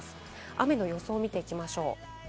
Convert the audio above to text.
雨の予想を見ていきます。